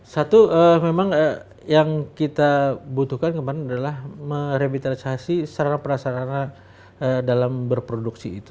satu memang yang kita butuhkan kemarin adalah merevitalisasi sarana perasarana dalam berproduksi itu